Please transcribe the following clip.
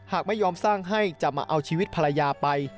หากไม่ยอมสร้างให้จะมาเอาชีวิตภรรยาไป